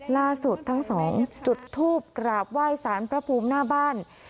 ล่าสุดทั้งสองจุดทูปกราบไหว้สารพระภูมิหน้าบ้าน